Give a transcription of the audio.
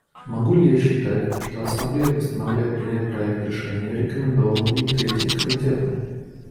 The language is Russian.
Могу ли я считать, что Ассамблея постановляет принять проект решения, рекомендованный Третьим комитетом?